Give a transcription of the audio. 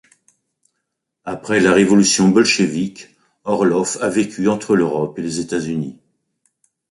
Après la révolution bolchévique, Orloff a vécu entre l'Europe et les États-Unis.